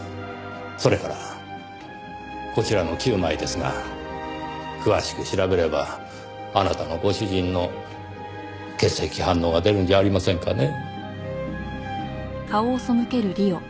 それからこちらの９枚ですが詳しく調べればあなたのご主人の血液反応が出るんじゃありませんかね？